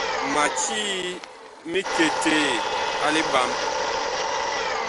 Ma cii miketee a liɓam.